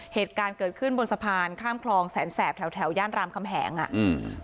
เหตุการณ์เกิดขึ้นบนสะพานข้ามคลองแสนแสบแถวแถวย่านรามคำแหงอ่ะอืม